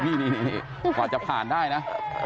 นี่กว่าจะผ่านได้นะ